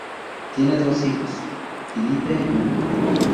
Tienen dos hijos, Philippe, Jr.